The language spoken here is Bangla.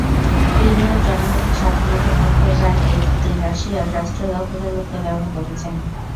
ক্রিমিয়ার জনগণের স্বাধীনতার পক্ষের রায়কে পুতিন রাশিয়ার রাষ্ট্র দখলের লক্ষ্যে ব্যবহার করেছেন।